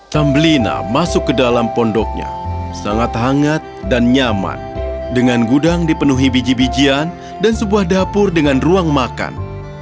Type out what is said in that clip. tambelina masuk ke dalam pondoknya sangat hangat dan nyaman dengan gudang dipenuhi biji bijian dan sebuah dapur dengan ruang makan